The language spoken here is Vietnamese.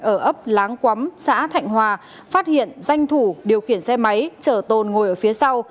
ở ấp láng quắm xã thạnh hòa phát hiện danh thủ điều khiển xe máy chở tồn ngồi ở phía sau